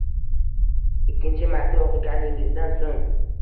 Ikkinchi marta o‘qiganingizdan so‘ng